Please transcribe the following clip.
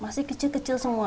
masih kecil kecil semua